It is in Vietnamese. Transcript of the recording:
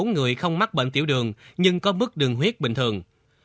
ba trăm chín mươi bốn người không mắc bệnh tiểu đường nhưng có mức đường huyết bình thường